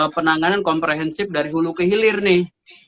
penanganan komprehensif dari hulu ke hilir nih